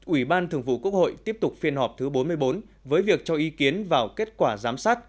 ủy ban thường vụ quốc hội tiếp tục phiên họp thứ bốn mươi bốn với việc cho ý kiến vào kết quả giám sát